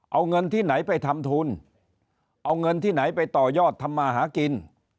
เอาเงินที่ไหนไปทำทุนเอาเงินที่ไหนไปต่อยอดทำมาหากิน